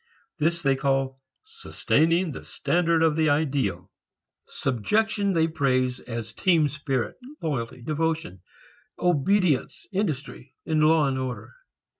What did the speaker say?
This they call sustaining the standard of the ideal. Subjection they praise as team spirit, loyalty, devotion, obedience, industry, law and order.